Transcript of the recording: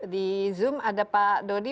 di zoom ada pak dodi